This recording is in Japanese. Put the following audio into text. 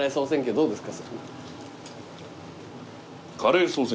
どうですか？